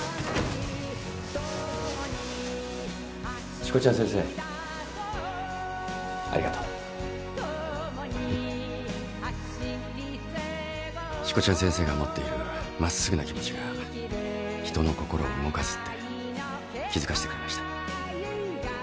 しこちゃん先生ありがとう。えっ？しこちゃん先生が持っている真っすぐな気持ちが人の心を動かすって気付かせてくれました。